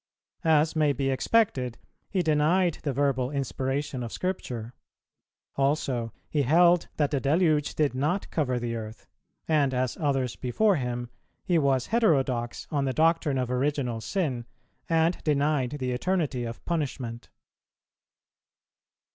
As may be expected he denied the verbal inspiration of Scripture. Also, he held that the deluge did not cover the earth; and, as others before him, he was heterodox on the doctrine of original sin, and denied the eternity of punishment.